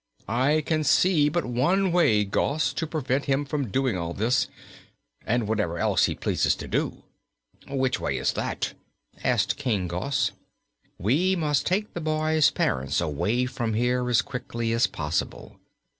I can see but one way, Gos, to prevent him from doing all this, and whatever else he pleases to do." "What way is that?" asked King Gos. "We must take the boy's parents away from here as quickly as possible.